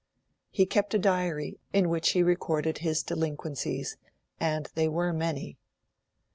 He kept a diary in which he recorded his delinquencies, and they were many.